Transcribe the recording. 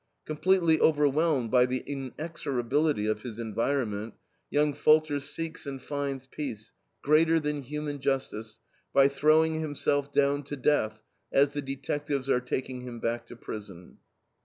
Completely overwhelmed by the inexorability of his environment, young Falder seeks and finds peace, greater than human justice, by throwing himself down to death, as the detectives are taking him back to prison.